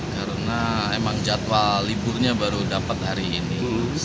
karena emang jadwal liburnya baru dapat hari ini